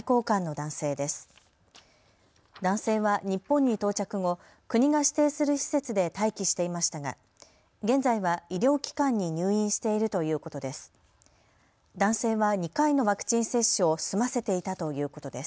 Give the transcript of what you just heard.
男性は日本に到着後、国が指定する施設で待機していましたが現在は医療機関に入院しているということです。